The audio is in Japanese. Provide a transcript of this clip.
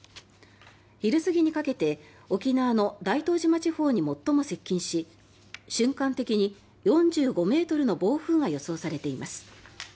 昼過ぎにかけて沖縄の大東島地方に最も接近し瞬間的に４５ｍの暴風が予想されています。